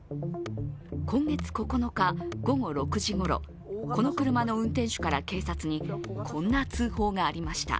今月９日午後６時ごろこの車の運転手から警察に、こんな通報がありました。